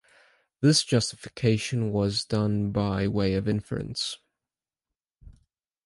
This justification was done by way of inference.